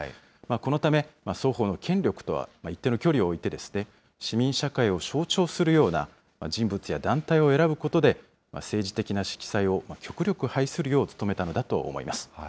このため、双方の権力とは一定の距離を置いて、市民社会を象徴するような人物や団体を選ぶことで、政治的な色彩を極力排するよう努めたのだと思います。